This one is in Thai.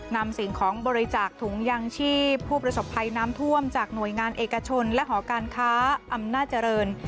สิ่งของบริจาคถุงยางชีพผู้ประสบภัยน้ำท่วมจากหน่วยงานเอกชนและหอการค้าอำนาจเจริญ